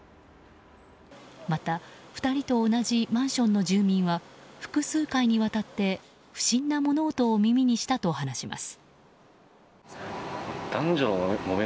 また、２人と同じマンションの住民は複数回にわたって不審な物音を耳にしたと話します。